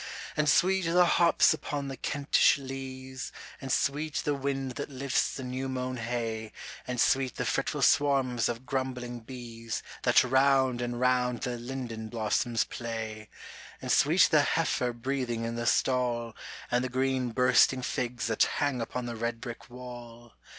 And sweet the hops upon the Kentish leas, And sweet the wind that lifts the new mown hay, And sweet the fretful swarms of grumbling bees That round and round the linden blossoms play; And sweet the heifer breathing in the stall, And the green bursting figs that hang upon the red brick wall.